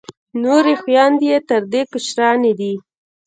نورې خویندې یې تر دې کشرانې دي.